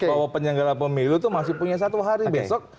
bahwa penyelenggara pemilu itu masih punya satu hari besok